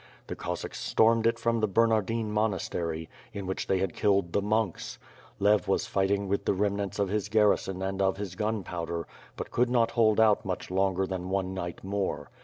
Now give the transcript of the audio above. The Cossacks stormed it from the Ber nardine monastery, in which they had killed the monks. Lev was fighting with the remnants of his garrison and of his gunpowder, could not hold out much longer than one night more.